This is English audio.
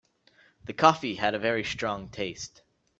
The coffee had a very strong taste.